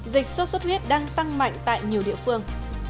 dịch sốt xuất huyết đang tăng mạnh tại nhiều địa phương